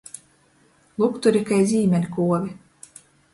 Lukturi kai zīmeļkuovi.